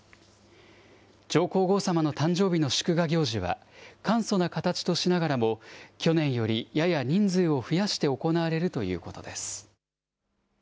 上皇后さまの誕生日の祝賀行事は、簡素な形としながらも、去年よりやや人数を増やして行われるということです。